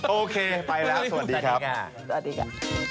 โอเคไปแล้วสวัสดีครับสวัสดีค่ะ